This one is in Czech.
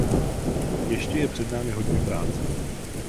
Ještě je před námi hodně práce.